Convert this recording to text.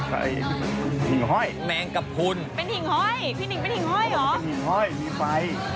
เป็นหิงห้อยมีไฟ